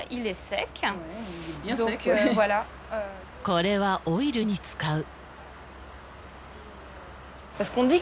これはオイルに使う。